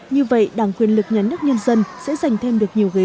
như vậy đảng quyền lực nhà nước nhân dân sẽ giành thêm được nhiều ghế